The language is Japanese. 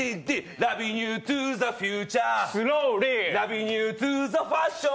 ラビニュートゥーザファッション！